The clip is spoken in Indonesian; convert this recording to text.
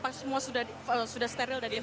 apa semua sudah steril dari apa